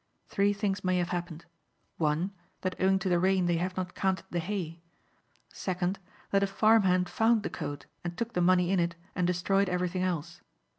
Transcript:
Three things may have happened. One, that owing to the rain they have not canted the hay. Second, that a farm hand found the coat and took the money in it and destroyed everything else.